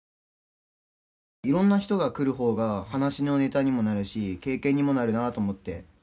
いろんな人が来るほうが話のネタにもなるし経験にもなるなと思って。